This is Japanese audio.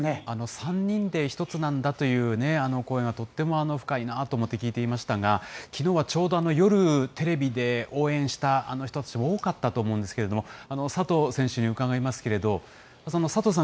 ３人で１つなんだという、声が深いなと思って聞いていましたが、きのうはちょうど夜テレビで応援した人たちも多かったと思うんですけど、佐藤選手に伺いますけれども、佐藤さん